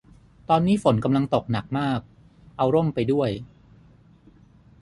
ตอนนี้ฝนกำลังตกหนักมาก เอาร่มไปด้วย